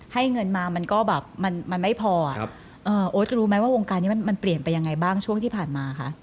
ให้เงินมามันก็แบบมันไม่พอโอ๊ตรู้ไหมว่าวงการนี้มันเปลี่ยนไปยังไงบ้างช่วงที่ผ่านมาคะ